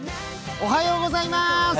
おはようございます。